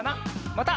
また。